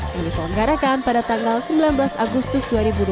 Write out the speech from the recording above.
yang diselenggarakan pada tanggal sembilan belas agustus dua ribu dua puluh